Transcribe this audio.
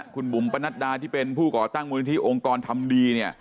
คุณบุ๋มปนัดดาที่เป็นผู้ก่อตั้งมูลนิธิองค์กรทำดีเนี่ย